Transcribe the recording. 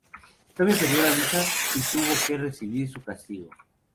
Tommy perdió la lucha y tuvo que recibir su castigo.